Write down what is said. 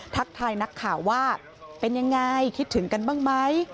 ทักทายนักข่าวว่าเป็นยังไงคิดถึงกันบ้างไหม